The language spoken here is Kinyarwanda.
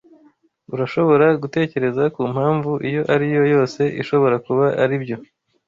Urashobora gutekereza kumpamvu iyo ari yo yose ishobora kuba aribyo?